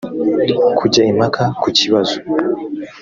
kujya impaka ku kibazo